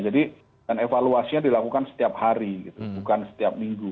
jadi evaluasinya dilakukan setiap hari bukan setiap minggu